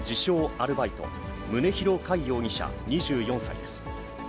アルバイト、宗広魁容疑者２４歳です。